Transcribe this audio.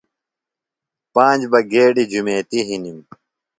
پانج بہ گیڈیۡ جُمیتیۡ ہِنِم۔